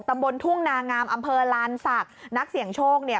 ตำบลทุ่งนางามอำเภอลานศักดิ์นักเสี่ยงโชคเนี่ย